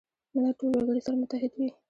ملت ټول وګړي سره متحد وي.